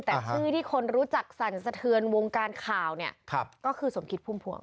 แต่ชื่อที่คนรู้จักสั่นสะเทือนวงการข่าวเนี่ยก็คือสมคิดพุ่มพวง